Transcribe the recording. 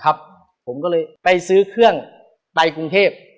ผมก็เลยไปซื้อเครื่องไปกรุงเทพ